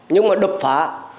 nhưng mà đập phá